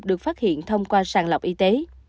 được phát hiện thông qua sàng lọc y tế